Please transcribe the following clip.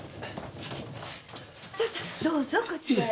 ささどうぞこちらへ。